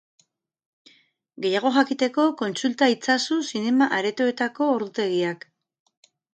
Gehiago jakiteko, kontsulta itzazu zinema-aretoetako ordutegiak.